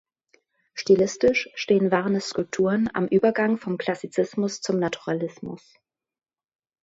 Stilistisch stehen Varnis Skulpturen am Übergang vom Klassizismus zum Naturalismus.